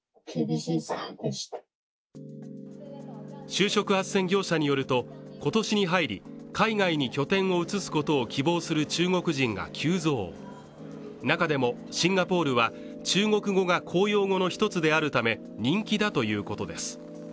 就職斡旋業者によると今年に入り海外に拠点を移すことを希望する中国人が急増中でもシンガポールは中国語が公用語の一つであるため人気だということです